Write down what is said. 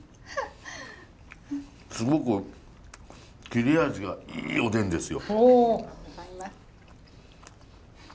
すごく切れ味がいいおでんですよ。